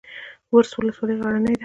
ورس ولسوالۍ غرنۍ ده؟